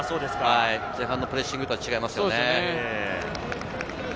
前半のプレッシングとは違いますね。